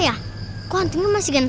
dia n marchar terus gini ganjut